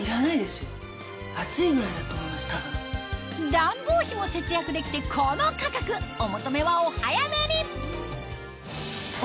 暖房費も節約できてこの価格お求めはお早めに！